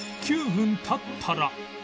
９分経ったら